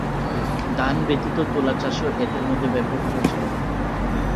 ধান ব্যতীত তুলা চাষও এদের মধ্যে ব্যাপক প্রচলিত।